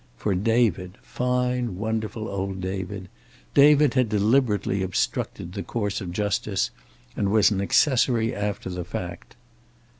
For David, fine, wonderful old David David had deliberately obstructed the course of justice, and was an accessory after the fact.